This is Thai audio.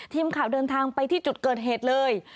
ทีมข่าวเดินทางไปที่จุดเกิดเหตุเลย